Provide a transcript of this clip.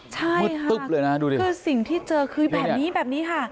ใช่มืดตึ๊บเลยนะดูดิคือสิ่งที่เจอคือแบบนี้แบบนี้ค่ะ